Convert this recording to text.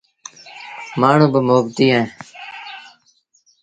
مآڻهوٚݩ با مهبتيٚ اهيݩ۔